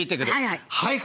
はいはい。